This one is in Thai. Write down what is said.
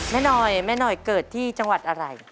แม่หน่อยเกิดที่จังหวัดอะไร